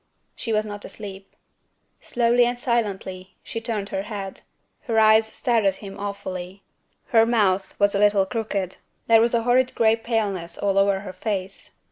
She was not asleep. Slowly and silently, she turned her head. Her eyes stared at him awfully. Her mouth was a little crooked. There was a horrid gray paleness all over her face.